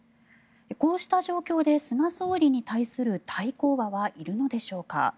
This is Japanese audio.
こうした状況で菅総理に対する対抗馬はいるのでしょうか。